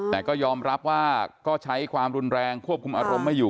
แต่ก็ยอมรับว่าก็ใช้ความรุนแรงควบคุมอารมณ์ไม่อยู่